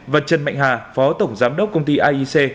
và trần mạnh hà phó tổng giám đốc công ty aic